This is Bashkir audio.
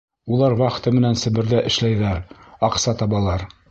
Улар вахта менән Себерҙә эшләйҙәр, аҡса табалар.